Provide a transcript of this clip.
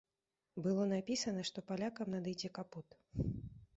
Было напісана, што палякам надыдзе капут.